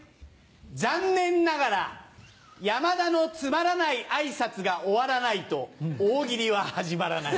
残念ながら山田のつまらない挨拶が終わらないと「大喜利」は始まらない。